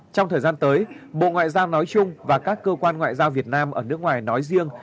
trong thời gian tới bộ ngoại giao nói chung và các cơ quan ngoại giao việt nam ở nước ngoài nói riêng